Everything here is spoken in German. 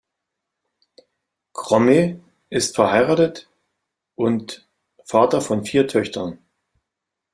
Cromme ist verheiratet und Vater von vier Töchtern.